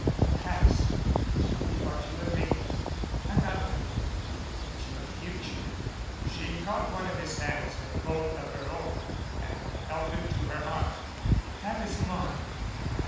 "Your past shall be what you have made it. I'm not afraid. But your future " She caught one of his hands in both of her own and held it to her heart. "That is mine."